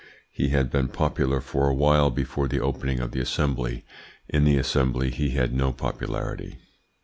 He had been popular for awhile before the opening of the Assembly; in the Assembly he had no popularity.